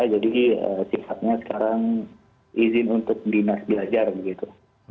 jadi sifatnya sekarang izin untuk dinas belajar begitu